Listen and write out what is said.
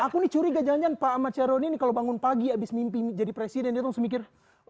aku nih curiga jangan jangan pak ahmad syaroni nih kalau bangun pagi abis mimpi jadi presiden dia langsung mikir